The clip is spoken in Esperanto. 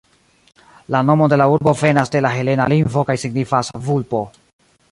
La nomo de la urbo venas de la helena lingvo kaj signifas "vulpo".